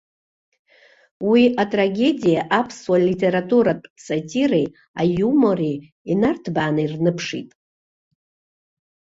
Уи атрагедиа аԥсуа литературатә сатиреи аиумори инарҭбааны ирныԥшит.